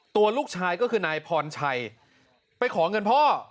ตัวลูกชายก็คือนายพรชัยไปขอเงินพ่อ